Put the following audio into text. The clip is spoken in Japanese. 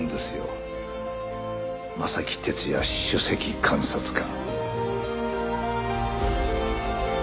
正木哲也首席監察官。